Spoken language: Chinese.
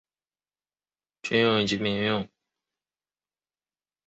两栖车辆大致上可分为军用及民用。